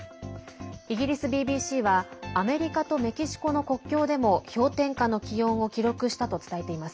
イギリスＢＢＣはアメリカとメキシコの国境でも氷点下の気温を記録したと伝えています。